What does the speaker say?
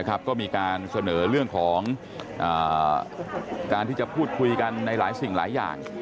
ก็มีการเสนอเรื่องของการที่จะพูดคุยกันในหลายสิ่งหลายอย่าง